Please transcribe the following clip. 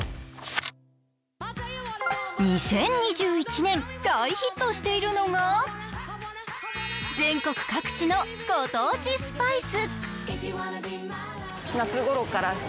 ２０２１年、大ヒットしているのが全国各地のご当地スパイス。